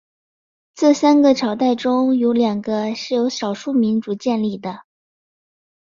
这三个朝代中有两个是由少数民族建立的。